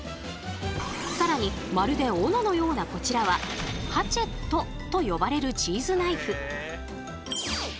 更にまるで斧のようなこちらは「ハチェット」と呼ばれるチーズナイフ。